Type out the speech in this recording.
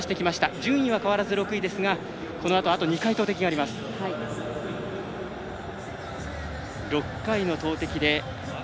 順位は変わらず６位ですがこのあと、２回投てきがあります。